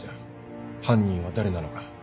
犯人は誰なのか。